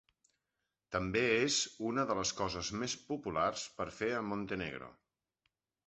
També és una de les coses més populars per fer a Montenegro.